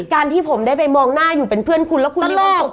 การที่ผมได้ไปมองหน้าอยู่เป็นเพื่อนคุณแล้วคุณรีบส่ง